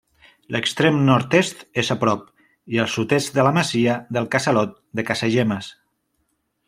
L'extrem nord-est és a prop i al sud-est de la masia del Casalot de Casagemes.